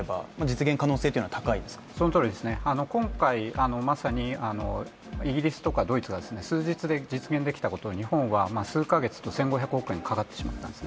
今回、まさにイギリスとかドイツが数日で実現できたことを日本は数カ月と１５００億円かかってしまったんですね